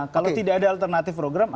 kalau tidak ada alternatif program